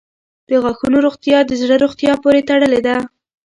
• د غاښونو روغتیا د زړه روغتیا پورې تړلې ده.